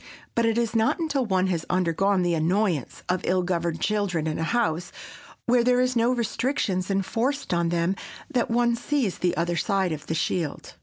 But it is not until one has undergone the annoyance of ill governed children in a house where there are no restrictions enforced on them that one sees the other side of the shield.